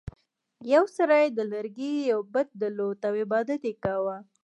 یو سړي د لرګي یو بت درلود او عبادت یې کاوه.